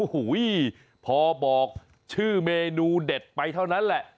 โอ้โหพอบอกชื่อเมนูเด็ดไปเท่านั้นแหละ